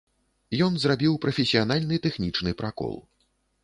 Ён зрабіў прафесіянальны тэхнічны пракол.